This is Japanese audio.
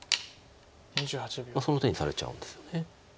その手にされちゃうんですよね。